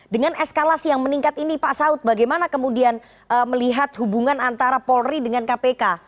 dengan eskalasi yang meningkat ini pak saud bagaimana kemudian melihat hubungan antara polri dengan kpk